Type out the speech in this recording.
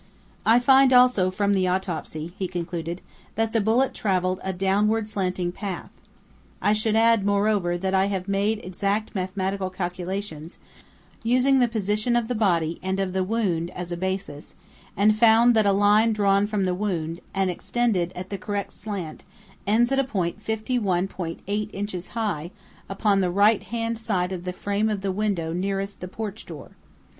"I find, also, from the autopsy," he concluded, "that the bullet traveled a downward slanting path. I should add, moreover, that I have made exact mathematical calculations, using the position of the body and of the wound as a basis, and found that a line drawn from the wound, and extended, at the correct slant, ends at a point 51.8 inches high, upon the right hand side of the frame of the window nearest the porch door."